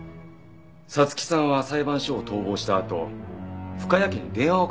彩月さんは裁判所を逃亡したあと深谷家に電話をかけています。